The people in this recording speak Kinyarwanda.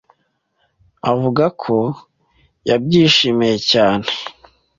Avuga ko yabyishimiye cyane.